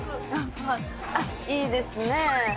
あっいいですね